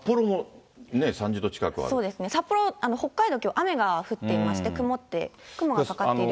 そうですね、札幌、北海道、きょう雨が降っていまして、雲って、雲がかかっている分。